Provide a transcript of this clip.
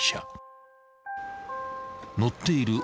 ［乗っている男